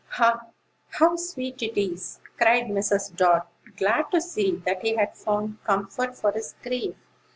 "Ah, how sweet it is!" cried Mrs. Dart, glad to see that he had found comfort for his grief.